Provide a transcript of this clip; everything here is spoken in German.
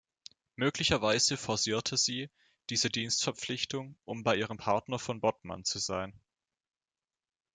Möglicherweise forcierte sie diese Dienstverpflichtung, um bei ihrem Partner von Bodmann zu sein.